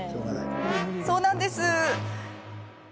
そうなんです。